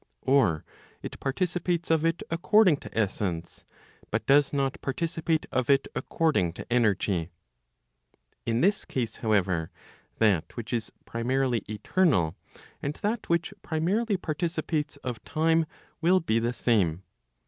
Or it participates of it according to essence, but does not participate of it according to energy. In this case however, that which is primarily eternal, and that which primarily participates of time will be the same.